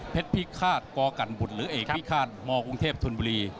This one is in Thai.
พิฆาตกกันบุตรหรือเอกพิฆาตมกรุงเทพธนบุรี